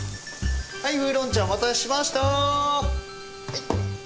はいウーロン茶お待たせしました。